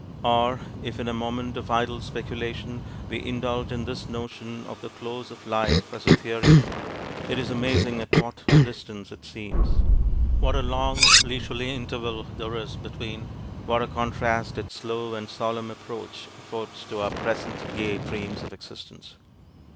Or if in a moment of idle speculation we indulge in this notion of the close of life as a theory, it is amazing at what a distance it seems; what a long, leisurely interval there is between; what a contrast its slow and solemn approach affords to our present gay dreams of existence!